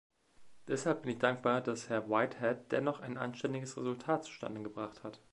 Deshalb bin ich dankbar, dass Herr Whitehead dennoch ein anständiges Resultat zustande gebracht hat.